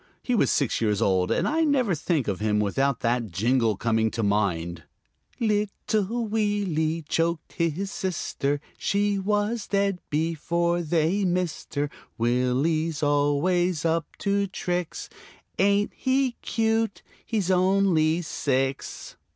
He was six years old, and I never think of him without that jingle coming to mind: "Little Willie choked his sister, She was dead before they missed her. Willie's always up to tricks. Ain't he cute, he's only six!"